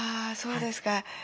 あそうですか。